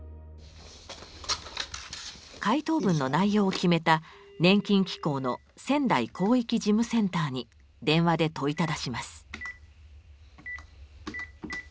回答文の内容を決めた年金機構の仙台広域事務センターに電話で問いただします。